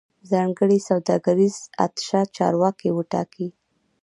ځانګړی سوداګریز اتشه چارواکي وټاکي